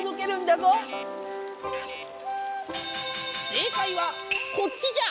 正解はこっちじゃ。